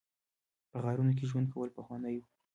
په غارونو کې ژوند کول پخوانی و